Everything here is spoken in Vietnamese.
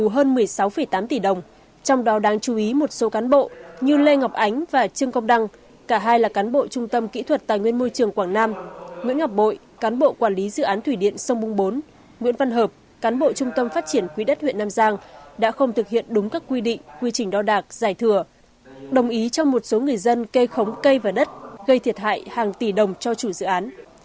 hơn một mươi sáu tám tỷ đồng trong đó đáng chú ý một số cán bộ như lê ngọc ánh và trương công đăng cả hai là cán bộ trung tâm kỹ thuật tài nguyên môi trường quảng nam nguyễn ngọc bội cán bộ quản lý dự án thủy điện sông bung bốn nguyễn văn hợp cán bộ trung tâm phát triển quỹ đất huyện nam giang đã không thực hiện đúng các quy định quy trình đo đạc giải thừa đồng ý cho một số người dân cây khống cây và đất gây thiệt hại hàng tỷ đồng cho chủ dự án